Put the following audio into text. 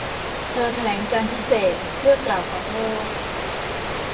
เธอแถลงการพิเศษเพื่อกล่าวขอโทษ